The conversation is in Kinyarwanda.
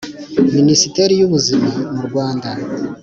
Minisiteri y’Ubuzima mu Rwanda